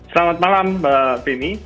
selamat malam mbak femi